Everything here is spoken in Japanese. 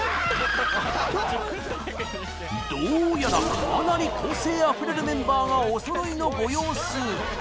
どうやら、かなり個性あふれるメンバーがおそろいのご様子。